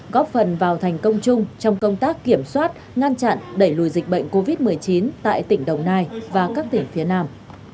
góp phần vào thành công chung trong công tác kiểm soát ngăn chặn đẩy lùi dịch bệnh covid một mươi chín tại tỉnh đồng nai và các tỉnh phía nam